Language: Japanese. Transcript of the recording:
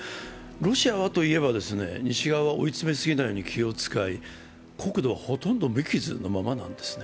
ロシアはといえば西側は追い詰めすぎないように気を遣い、国土はほとんど無傷なものなんですね